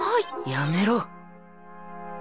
やめろ！